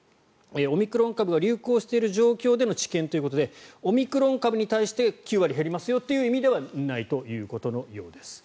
オミクロン株が流行している状況での治験ということでオミクロン株に対して９割減りますという意味ではないということです。